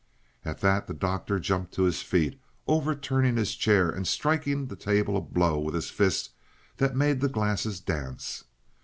At that the Doctor jumped to his feet, overturning his chair, and striking the table a blow with his fist that made the glasses dance.